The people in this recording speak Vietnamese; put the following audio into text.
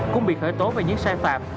cũng bị khởi tố về những sai phạm